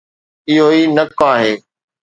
اهو ئي نڪ آهي